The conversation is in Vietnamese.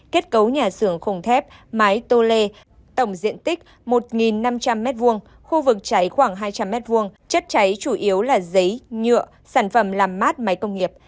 kết cấu nhà xưởng khung thép mái tô lê tổng diện tích một năm trăm linh m hai khu vực cháy khoảng hai trăm linh m hai chất cháy chủ yếu là giấy nhựa sản phẩm làm mát máy công nghiệp